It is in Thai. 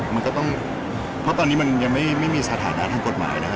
มันก็ต้องเพราะตอนนี้มันยังไม่มีสถานะทางกฎหมายนะฮะ